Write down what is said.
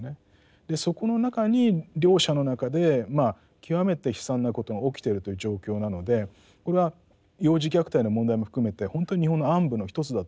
そこの中に両者の中で極めて悲惨なことが起きているという状況なのでこれは幼児虐待の問題も含めて本当に日本の暗部の一つだと思うんです。